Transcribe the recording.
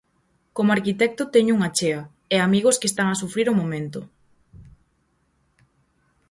Como arquitecto teño unha chea e amigos que están a sufrir o momento.